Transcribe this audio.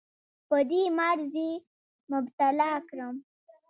په دې مرض یې مبتلا کړم.